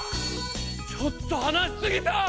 ちょっと話しすぎた！